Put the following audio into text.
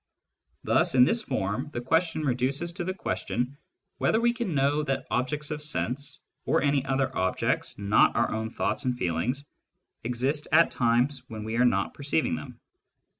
Thus in this form the question reduces to the question whether we can know that objects of sense, or any other objects not our own thoughts and feelings, exist at times when we are not perceiving them.